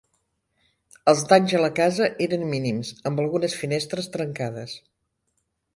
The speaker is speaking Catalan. Els danys a la casa eren mínims, amb algunes finestres trencades.